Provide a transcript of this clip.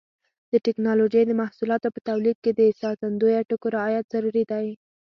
د ټېکنالوجۍ د محصولاتو په تولید کې د ساتندویه ټکو رعایت ضروري دی.